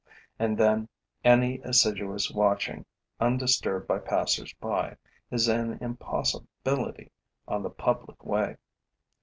And then any assiduous watching, undisturbed by passers by, is an impossibility on the public way.